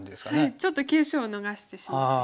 ちょっと急所を逃してしまっています。